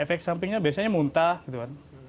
efek sampingnya biasanya muntah